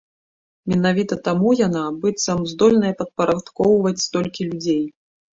Менавіта таму яна, быццам, здольная падпарадкоўваць столькі людзей.